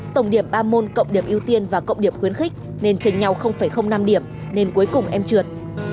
tổng điểm ba môn cộng điểm ưu tiên và cộng điểm khuyến khích nên tranh nhau năm điểm nên cuối cùng em trượt